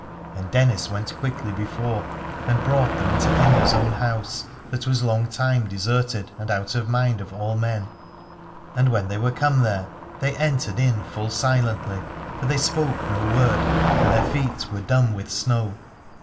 And Dennis went quickly before, and brought them into Aithne's own house, that was long time deserted and out of mind of all men. And when they were come there they entered in full silently, for they spoke no word, and their feet were dumb with snow.